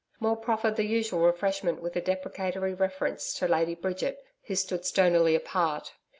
Maule proffered the usual refreshment with a deprecatory reference to Lady Bridget, who stood stonily apart.